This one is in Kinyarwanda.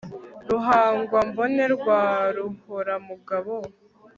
ruhangwambone rwa ruhoramugambo